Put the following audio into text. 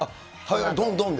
どんどんで？